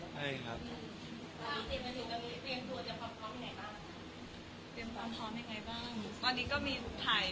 เพรียมตัวจะพร้อมจากกล้องไหนบ้าง